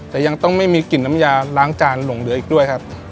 แต่ยังต้องไม่มีกลิ่นน้ำยาล้างจานหลงเหลืออีกด้วยครับ